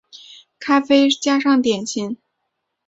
咖啡加上点心